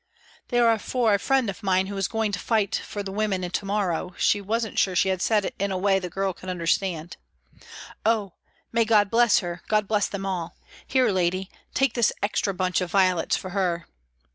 " They are for a friend of mine who is going to fight for the women to morrow "; she wasn't sure she had said it in a way the girl could understand. " Oh ! May God bless her, God bless them all ! Here, lady, take this extra bunch of violets for her."